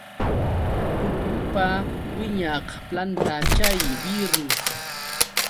Pukyupa wiñaq planta chay birrus.